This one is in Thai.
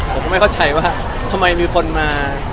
ผมก็ไม่เข้าใจว่าทำไมมีคนมา